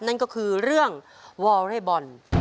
นั่นก็คือเรื่องวอเรย์บอล